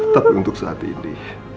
tapi untuk saat ini